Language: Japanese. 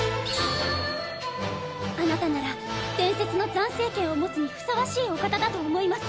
あなたなら伝説の「斬星剣」を持つに相応しいお方だと思います。